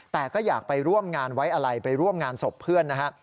แต่ก็อยากไปร่วมงานไว้อะไรไปร่วมงานศพเพื่อนนะฮะ